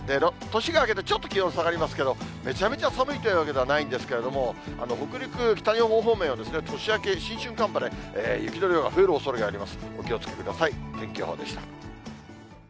年が明けて、ちょっと気温下がりますけれども、めちゃめちゃ寒いというわけではないんですけど、北陸、北日本方面は、年明け、新春寒波で雪の量が増えるおそれがあります。